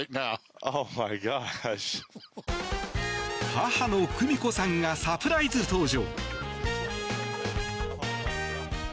母の久美子さんがサプライズ登場。